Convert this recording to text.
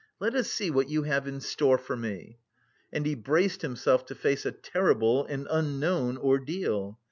let us see what you have in store for me." And he braced himself to face a terrible and unknown ordeal.